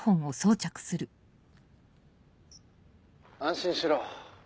⁉安心しろ。